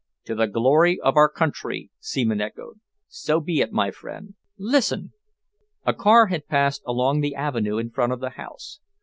"To the glory of our country," Seaman echoed. "So be it, my friend. Listen." A car had passed along the avenue in front of the house.